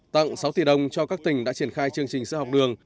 tặng sáu tỷ đồng cho các tỉnh đã triển khai chương trình sữa học đường